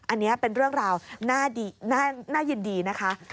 อันนี้เป็นเรื่องราวน่ายินดีนะคะ